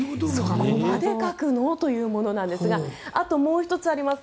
そこまで書くの？というものなんですがあと、もう１つあります。